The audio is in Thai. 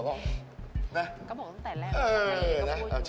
ก็บอกตั้งแต่แรก